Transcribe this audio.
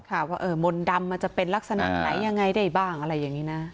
ว่ามนต์ดำมันจะเป็นลักษณะไหนยังไงได้บ้างอะไรอย่างนี้นะ